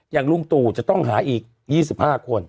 ลุงตู่จะต้องหาอีก๒๕คน